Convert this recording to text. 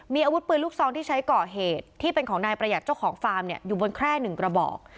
มีอาวุธปืนลูกซองที่ใช้ก่อเหตุที่เป็นของนายประหยัดเจ้าของฟาร์มเนี่ยอยู่บนแคร่๑กระบอก